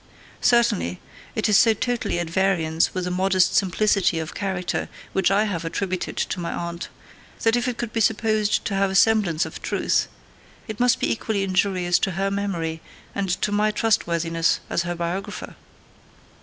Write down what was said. Certainly it is so totally at variance with the modest simplicity of character which I have attributed to my aunt, that if it could be supposed to have a semblance of truth, it must be equally injurious to her memory and to my trustworthiness as her biographer.